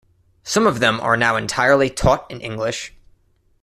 Some of them are now entirely taught in English.